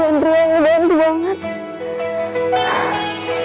wander ya bantu banget